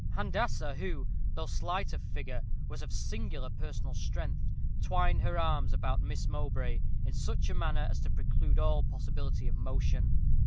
Handassah, who, though slight of figure, was of singular personal strength, twined her arms about Miss Mowbray in such a manner as to preclude all possibility of motion.